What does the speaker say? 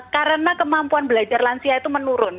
karena kemampuan belajar lansia itu menurun